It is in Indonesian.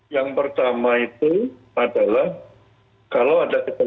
yang pertama itu adalah